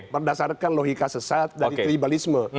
berdasarkan logika sesat dari tribalisme